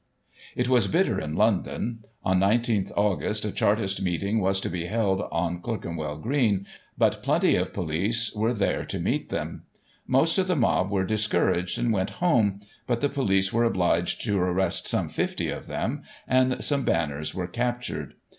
It was better in London. On 19 Aug. a Chartist meeting was to be held on Clerkenwell Green, but plenty of police Digiti ized by Google 1842] INCOME TAX. 193 were there to meet them. Most of the mob were discouraged^ and went home, but the police were obliged to arrest some 50 of them, and some banners were captured.